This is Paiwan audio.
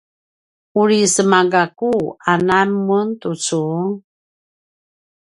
uri sema gakku anan mun tucu?